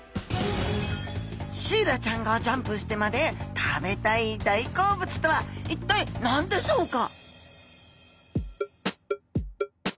シイラちゃんがジャンプしてまで食べたい大好物とは一体何でしょうか？